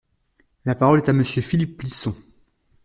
La parole est à Monsieur Philippe Plisson.